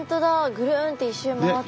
ぐるんって一周回って。